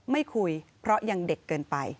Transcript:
ไม่คุยเพราะยังเด็กเกินไป